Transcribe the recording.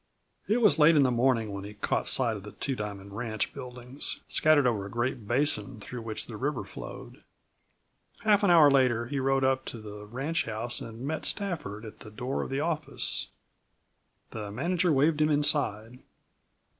It was late in the morning when he caught sight of the Two Diamond ranch buildings, scattered over a great basin through which the river flowed. Half an hour later he rode up to the ranchhouse and met Stafford at the door of the office. The manager waved him inside.